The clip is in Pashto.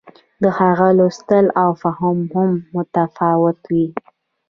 د هغه لوستل او فهم هم متفاوت وي.